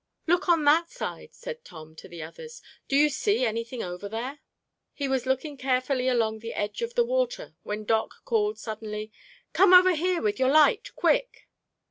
"Look on that side," said Tom, to the others. "Do you see anything over there?" He was looking carefully along the edge; of the water when Doc called suddenly, "Come over here with your light, quick!"